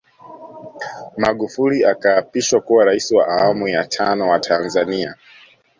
Magufuli akaapishwa kuwa Rais wa Awamuya Tano wa Tanzania